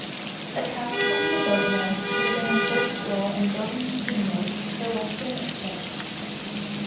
The California Boatyards played an important role in building steamboats for western expansion.